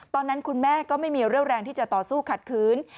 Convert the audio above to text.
ตอนนั้นคุณแม่ก็ไม่มีเรี่ยวแรงที่จะต่อสู้ขัดขืน